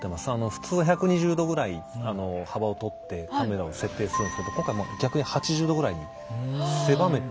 普通１２０度ぐらいあの幅をとってカメラを設定するんですけど今回逆に８０度ぐらいに狭めてるんですよ。